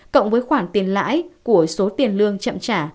cộng với khoản tiền lãi của số tiền lương chậm trả